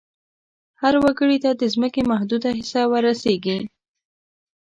هر وګړي ته د ځمکې محدوده حصه ور رسیږي.